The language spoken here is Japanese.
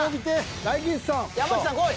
山内さんこい！